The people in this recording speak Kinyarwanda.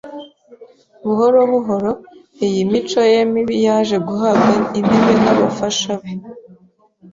buhoro buhoro, iyi mico ye mibi yaje guhabwa intebe n’abafasha be.